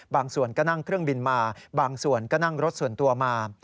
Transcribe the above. บางส่วนก็นั่งเครื่องบินมาบางส่วนก็นั่งรถส่วนตัวมา